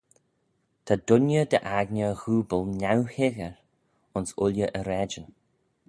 Ta dooinney dy aigney ghooble neuhickyr ayns ooilley e raaidyn.